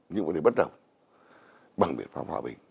những vấn đề bất đồng bằng biện pháp hòa bình